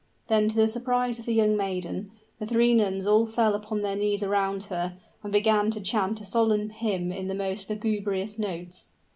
Then, to the surprise of the young maiden, the three nuns all fell upon their knees around her, and began to chant a solemn hymn in most lugubrious notes.